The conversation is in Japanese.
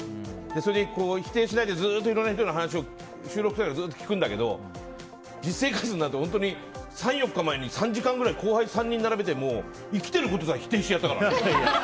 それで否定しないでずっといろんな人の話を聞くんだけど実生活になると本当に３４日前に後輩を３人並べて生きてることさえ否定しちゃったからね。